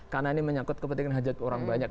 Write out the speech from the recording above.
karena ini menyangkut kepentingan hajat orang banyak